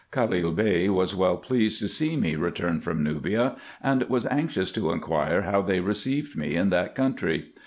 Calil Bey was well pleased to see me returned from Nubia, and was anxious to inquire how they received me in that country.